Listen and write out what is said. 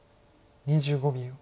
２５秒。